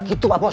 gitu pak bos